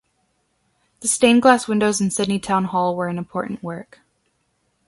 The stained glass windows in Sydney Town Hall were an important work.